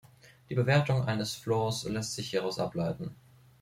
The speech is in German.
Die Bewertung eines Floors lässt sich hieraus ableiten.